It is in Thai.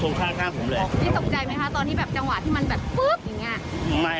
สงสัยไหมคะตอนที่แบบจังหวะที่มันแบบฟึ๊บอย่างเงี้ย